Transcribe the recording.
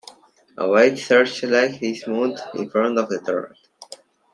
A white searchlight is mounted in front of the turret.